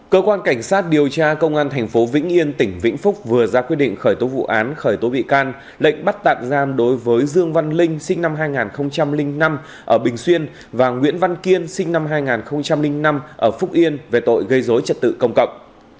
cơ quan cảnh sát điều tra công an tp vĩnh yên tỉnh vĩnh phúc vừa ra quyết định khởi tố vụ án khởi tố bị can lệnh bắt tạm giam đối với dương văn linh sinh năm hai nghìn năm ở bình xuyên và nguyễn văn kiên sinh năm hai nghìn năm ở phúc yên về tội gây dối trật tự công cộng